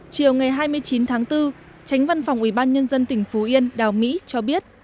chiều ngày hai mươi chín tháng bốn tránh văn phòng ủy ban nhân dân tỉnh phú yên đào mỹ cho biết